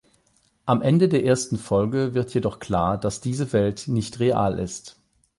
Am Ende der ersten Folge wird jedoch klar, dass diese Welt nicht real ist.